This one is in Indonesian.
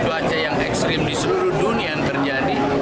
cuaca yang ekstrim di seluruh dunia yang terjadi